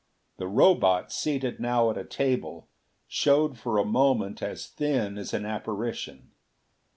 The Robot, seated now at a table, showed for a moment as thin as an apparition.